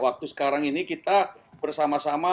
waktu sekarang ini kita bersama sama